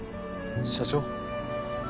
社長？